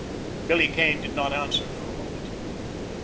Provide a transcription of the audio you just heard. Billy Kane did not answer for a moment.